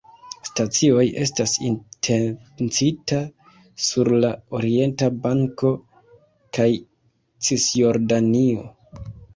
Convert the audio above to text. Stacioj estas intencita sur la Orienta Banko kaj Cisjordanio.